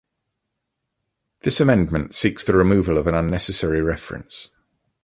This amendment seek the removal of an unnecessary reference.